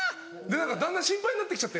だんだん心配になって来ちゃって。